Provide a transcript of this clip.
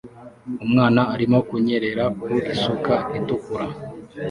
Umwana arimo kunyerera ku isuka itukura